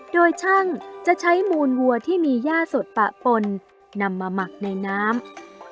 โดยช่างจะใช้มูลวัวที่มีย่าสดปะปนนำมาหมักในน้ำ